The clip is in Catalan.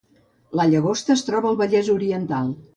La Llagosta es troba al Vallès Oriental